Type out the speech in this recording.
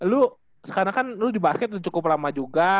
lo sekarang kan di basket cukup lama juga